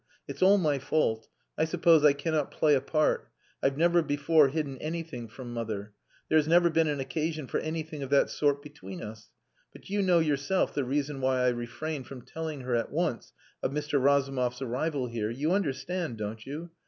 It's all my fault; I suppose I cannot play a part; I've never before hidden anything from mother. There has never been an occasion for anything of that sort between us. But you know yourself the reason why I refrained from telling her at once of Mr. Razumov's arrival here. You understand, don't you?